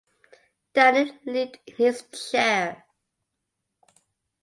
Downing leaped in his chair.